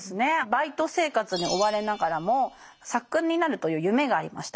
バイト生活に追われながらも作家になるという夢がありました。